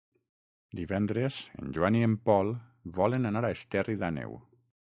Divendres en Joan i en Pol volen anar a Esterri d'Àneu.